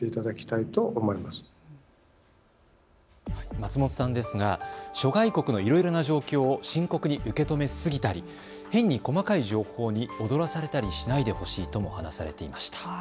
松本さんですが諸外国のいろいろな状況を深刻に受け止めすぎたり変に細かい情報に躍らされたりしないでほしいとも話されていました。